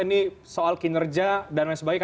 ini soal kinerja dan lain sebagainya